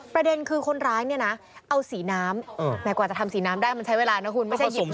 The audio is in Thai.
ประเด็นคือคนร้ายเนี่ยนะเอาสีน้ำแม้กว่าจะทำสีน้ำได้มันใช้เวลานะคุณไม่ใช่หยิบ